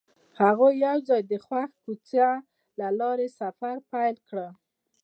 هغوی یوځای د خوښ کوڅه له لارې سفر پیل کړ.